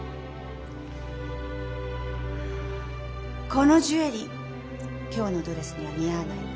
このジュエリー今日のドレスには似合わないわ。